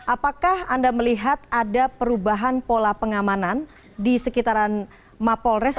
apakah anda melihat ada perubahan pola pengamanan di sekitaran mapolres